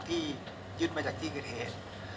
ที่ยึดมาจากที่กระเทศ